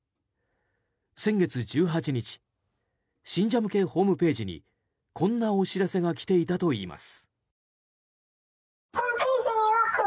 先月１８日信者向けホームページにこんなお知らせが来ていたといいます。